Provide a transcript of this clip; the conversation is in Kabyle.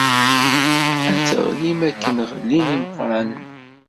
Ad teɣlim akken i ɣellin imeqqranen.